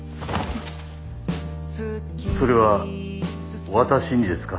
それは私にですか？